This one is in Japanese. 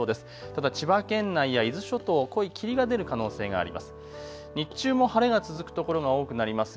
ただ千葉県内や伊豆諸島、濃い霧が出る可能性があります。